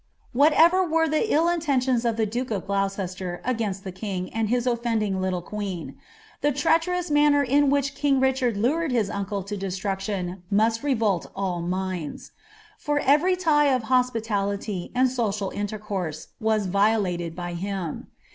Whatever were the ill intentions of tlie duke of Gloi dM king and his oflending little queen, the treacherous manner in which luBg Uichanl lured his uncle lo destruction must revolt all minds ; for every He of hospitality and social intercourse was violated by him.